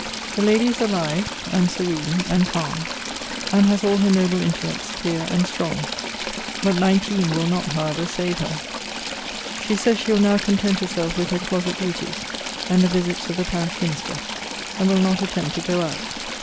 The lady is alive, and serene, and calm, and has all her noble intellects clear and strong: but nineteen will not however save her. She says she will now content herself with her closet duties, and the visits of the parish minister; and will not attempt to go out.